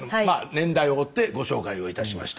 年代を追ってご紹介をいたしました。